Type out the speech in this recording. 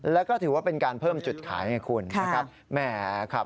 แล้วก็ถือว่าเป็นการเพิ่มจุดขายให้คุณนะครับ